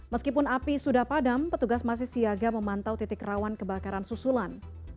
meskipun api sudah padam petugas masih siaga memantau titik rawan kebakaran susulan